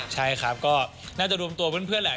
ใช่ครับก็น่าจะรวมตัวเพื่อนแหละ